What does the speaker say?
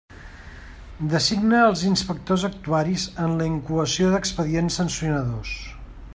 Designa els inspectors actuaris en la incoació d'expedients sancionadors.